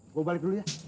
gua balik dulu ya